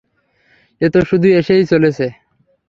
এতো শুধু এসেই চলেছে।